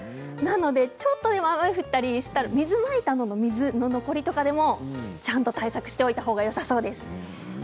ちょっと雨が降ったりしても水をまいたものの残りとかでもちゃんと対策しておいたほうがよさそうです。